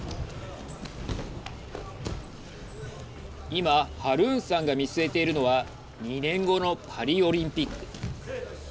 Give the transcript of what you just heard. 今、ハルーンさんが見据えているのは２年後のパリオリンピック。